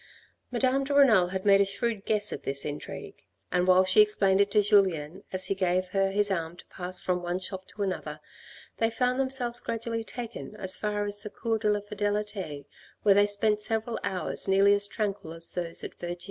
Madame de Renal had made a shrewd guess at this intrigue, and while she explained it to Julien as he gave her his arm to pass from one shop to another, they found them selves gradually taken as far as the Cours de la Fidelite where they spent several hours nearly as tranquil as those at Vergy.